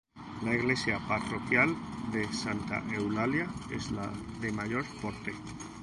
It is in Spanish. La iglesia parroquial de Santa Eulalia es la de mayor porte.